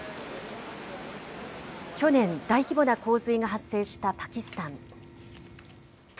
去年、大規模な洪水が発生したパキスタン。